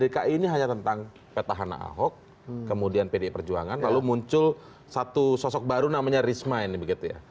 dki ini hanya tentang peta hana ahok kemudian pde perjuangan lalu muncul satu sosok baru namanya risma ini